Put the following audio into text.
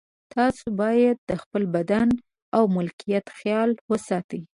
تاسو باید د خپل بدن او ملکیت خیال وساتئ.